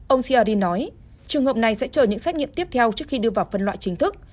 ông sirdi nói trường hợp này sẽ chờ những xét nghiệm tiếp theo trước khi đưa vào phân loại chính thức